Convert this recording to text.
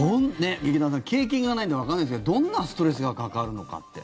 劇団さん、経験がないのでわかんないですけどどんなストレスがかかるのかって。